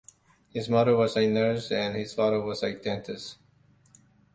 His mother was a nurse and his father was a dentist.